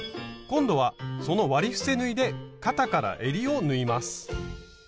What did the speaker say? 今度はその割り伏せ縫いで肩からえりを縫います。